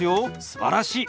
すばらしい！